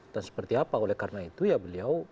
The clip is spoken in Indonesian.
dan seperti apa oleh karena itu ya beliau